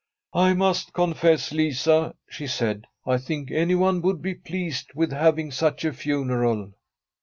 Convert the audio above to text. ' I must confess, Lisa,' she said, ' I think any one would be pleased with having such a funeral.'